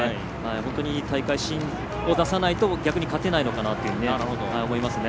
本当に大会新を出さないと逆に勝てないのかなと思いますね。